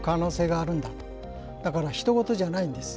だからひと事じゃないんです。